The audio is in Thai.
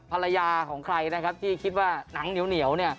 ภรรยาของใครนะครับที่คิดว่านั้นเหนียว